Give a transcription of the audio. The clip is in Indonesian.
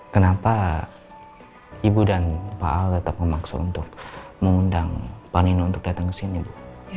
kenapa ibu dan pak al tetap memaksa untuk mengundang pak nino untuk datang ke sini bu